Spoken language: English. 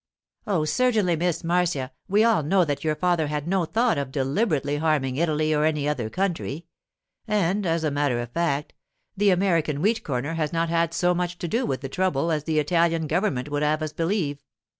'Oh, certainly, Miss Marcia, we all know that your father had no thought of deliberately harming Italy or any other country. And, as a matter of fact, the American wheat corner has not had so much to do with the trouble as the Italian government would have us believe.